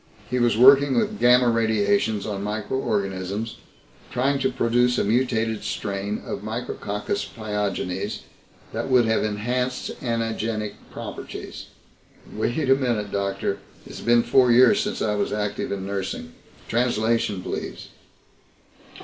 "He was working with gamma radiations on microorganisms, trying to produce a mutated strain of Micrococcus pyogenes that would have enhanced antigenic properties." "Wait a minute, doctor. It's been four years since I was active in nursing. Translation, please."